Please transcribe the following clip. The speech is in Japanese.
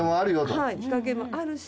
はい日陰もあるし。